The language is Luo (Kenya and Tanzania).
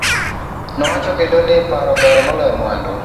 Nowacho kendo ni paro ber maloyo mwandu.